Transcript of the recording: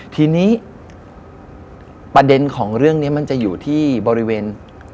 ทีนี้ประเด็นของเรื่องนี้มันจะอยู่ที่บริเวณ